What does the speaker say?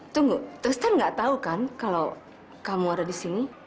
tunggu pak tristan enggak tahu kan kalau kamu ada di sini